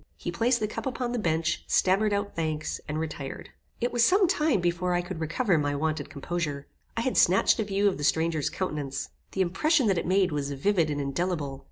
He placed the cup upon the bench, stammered out thanks, and retired. It was some time before I could recover my wonted composure. I had snatched a view of the stranger's countenance. The impression that it made was vivid and indelible.